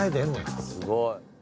すごい！